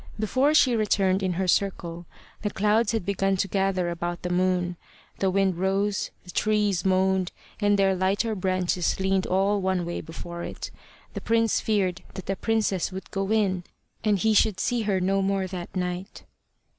Before she returned in her circle, the clouds had begun to gather about the moon. The wind rose, the trees moaned, and their lighter branches leaned all one way before it. The prince feared that the princess would go in, and he should see her no more that night.